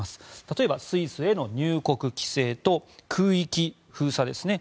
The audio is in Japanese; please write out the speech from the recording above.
例えば、スイスへの入国規制と空域封鎖ですね。